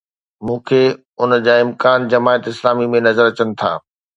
مون کي ان جا امڪان جماعت اسلامي ۾ نظر اچن ٿا.